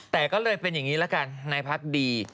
แต่ก็เลยเป็นอย่างนี้ละกันนายพักดี